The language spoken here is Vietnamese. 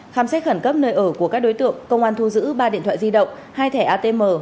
khám xét khẩn cấp nơi ở của các đối tượng công an thu giữ ba điện thoại di động hai thẻ atm